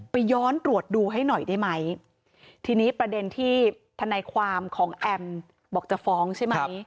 ย้อนตรวจดูให้หน่อยได้ไหมทีนี้ประเด็นที่ธนายความของแอมบอกจะฟ้องใช่ไหม